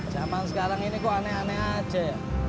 zaman sekarang ini kok aneh aneh aja ya